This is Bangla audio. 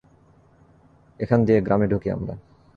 এখান দিয়ে গ্রামে ঢুকি আমরা।